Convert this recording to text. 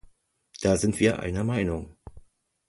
Da sind wir einer Meinung.